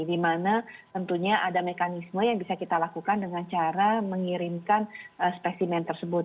di mana tentunya ada mekanisme yang bisa kita lakukan dengan cara mengirimkan spesimen tersebut